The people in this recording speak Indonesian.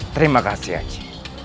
terima kasih aji